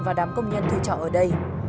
và đám công nhân thuê trọ ở đây